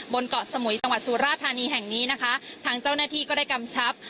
บนเกาะสมุยสถานีแห่งนี้นะคะทางเจ้าหน้าที่ก็ได้กำชับ